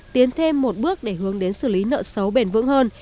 tiến thêm một bước để hướng đến xử lý nợ xấu bền vững hơn